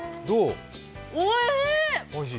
おいしい。